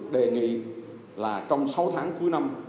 đề nghị là trong sáu tháng cuối năm